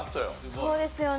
そうですよね。